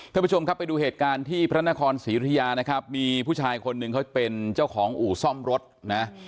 ท่านผู้ชมครับไปดูเหตุการณ์ที่พระนครศรีอุทยานะครับมีผู้ชายคนหนึ่งเขาเป็นเจ้าของอู่ซ่อมรถนะ